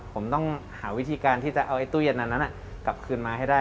ผมต้องหาวิธีการที่จะเอาตู้เย็นนั้นกลับคืนมาให้ได้